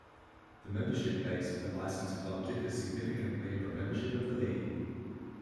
The membership base of the licensed clubs differs significantly from membership of the League.